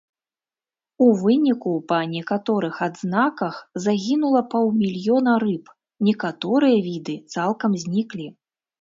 У выніку па некаторых адзнаках загінула паўмільёна рыб, некаторыя віды цалкам зніклі.